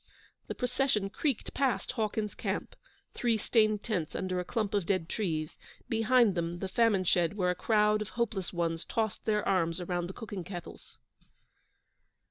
The procession creaked past Hawkins's camp three stained tents under a clump of dead trees; behind them the famine shed where a crowd of hopeless ones tossed their arms around the cooking kettles.